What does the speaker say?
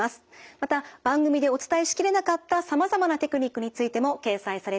また番組でお伝えしきれなかったさまざまなテクニックについても掲載されています。